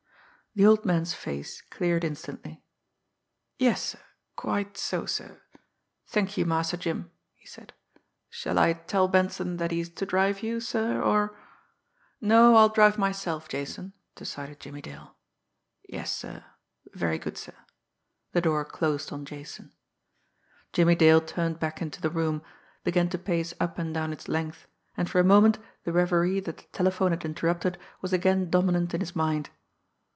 The old man's face cleared instantly. "Yes, sir; quite so, sir. Thank you, Master Jim," he said. "Shall I tell Benson that he is to drive you, sir, or " "No; I'll drive myself, Jason," decided Jimmie Dale. "Yes, sir very good, sir" the door closed on Jason. Jimmie Dale turned back into the room, began to pace up and down its length, and for a moment the reverie that the telephone had interrupted was again dominant in his mind.